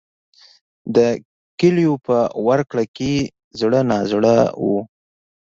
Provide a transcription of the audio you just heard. د کیلیو په ورکړه کې زړه نازړه و.